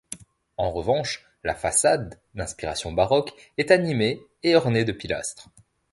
En revanche, la façade, d'inspiration baroque, est animée, et ornée de pilastres.